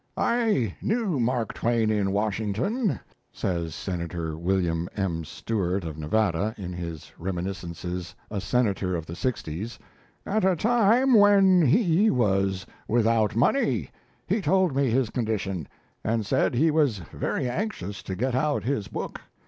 "I knew Mark Twain in Washington," says Senator William M. Stewart of Nevada, in his reminiscences 'A Senator of the Sixties', "at a time when he was without money. He told me his condition, and said he was very anxious to get out his book.